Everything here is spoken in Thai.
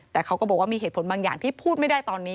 แต่เขาก็บอกว่ามีเหตุผลบางอย่างที่พูดไม่ได้ตอนนี้